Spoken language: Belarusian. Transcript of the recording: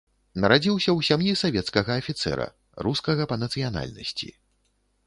Нарадзіўся ў сям'і савецкага афіцэра, рускага па нацыянальнасці.